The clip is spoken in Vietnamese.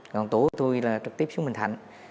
còn tổ của tôi là trực tiếp xuống bình thạnh